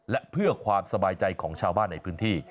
และเพื่อความสบายใจของชาวบ้านในพื้นที่